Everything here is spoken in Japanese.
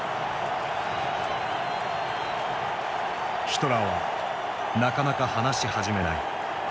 ヒトラーはなかなか話し始めない。